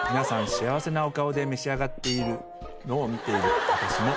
「幸せなお顔で召し上がっているのを見ている私も」